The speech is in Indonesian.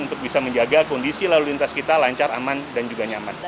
untuk bisa menjaga kondisi lalu lintas kita lancar aman dan juga nyaman